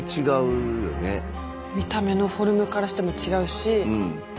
見た目のフォルムからしても違うし。